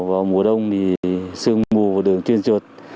vào mùa đông thì sương mù vào đường chuyên chuột